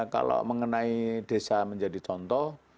kalau mengenai desa menjadi contoh